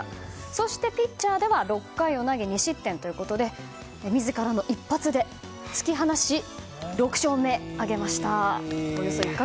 そしてピッチャーでは６回を投げ２失点ということで自らの一発で突き放し６勝目を挙げました。